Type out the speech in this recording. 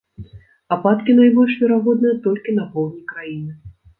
Ападкі найбольш верагодныя толькі на поўдні краіны.